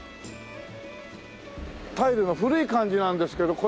タイルの古い感じなんですけどこれはこれで。